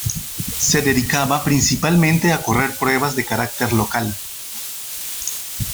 Se dedicaba principalmente a correr pruebas de caracter local.